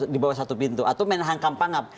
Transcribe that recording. di bawah satu pintu atau menangkampangap